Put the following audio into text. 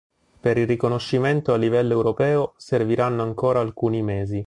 Per il riconoscimento a livello europeo serviranno ancora alcuni mesi.